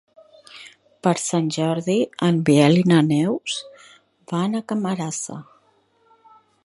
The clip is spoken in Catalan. Per Sant Jordi en Biel i na Neus van a Camarasa.